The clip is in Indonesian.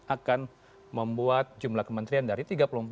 akan membuat jumlah kementerian dari tiga puluh empat